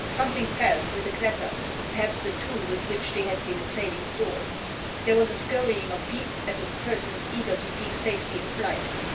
Something fell, with a clatter — perhaps the tool with which they had been assailing the door. There was a scurrying of feet, as of persons eager to seek safety in flight.